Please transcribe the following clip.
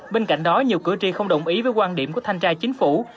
bên cạnh đó nhiều cửa chi không đồng ý với quan điểm của thanh tra chính phủ